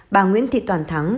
bà nguyễn thị toàn thắng